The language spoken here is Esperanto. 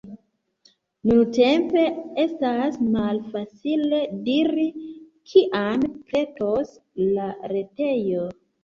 Nuntempe, estas malfacile diri kiam pretos la retejo.